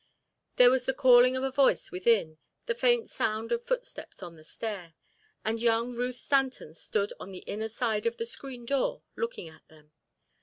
There was the calling of a voice within, the faint sound of footsteps on the stair, and young Ruth Stanton stood on the inner side of the screen door looking at them.